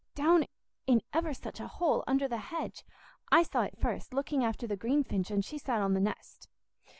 "Down in ever such a hole, under the hedge. I saw it first, looking after the greenfinch, and she sat on th' nest."